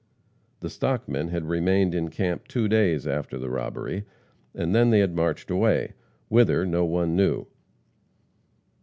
The "stockmen" had remained in camp two days after the robbery, and then they had marched away whither no one knew.